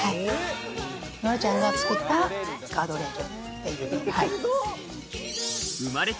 ノラちゃんが作ったガードレール。